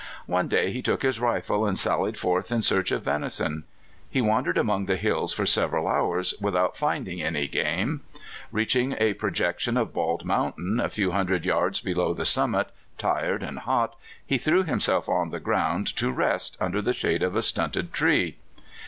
One day he took his rifle and sallied forth in search of venison. He wandered among the hills for several hours without finding any game. Reaching a pro jection of Bald Mountain, a few hundred yards below the summit, tired and hot, he threw himself 180 California Traits. on the ground to rest under the shade of a stunted tree.